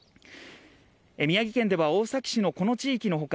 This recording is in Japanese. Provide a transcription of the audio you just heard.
宮城県では大崎市のこの地域の他